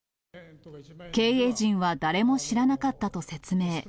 経営陣は誰も知らなかったと説明。